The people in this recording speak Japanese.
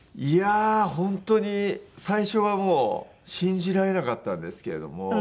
いやあ本当に最初はもう信じられなかったんですけれども。